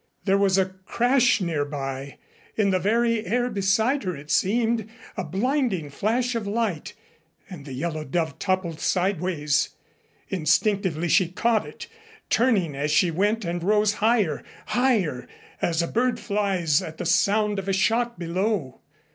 There was a crash nearby, in the very air beside her it seemed, a blinding flash of light, and the Yellow Dove toppled sideways. Instinctively she caught it, turning as she went and rose higher higher as a bird flies at the sound of a shot below.